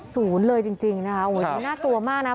ศูนย์เลยจริงนะฮะโหยนี่น่ากลัวมากนะครับ